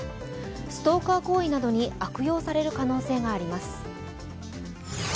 ストーカー行為などに悪用されるおそれがあります。